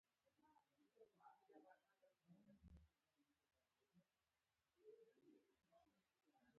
سبا به ولاړ سئ.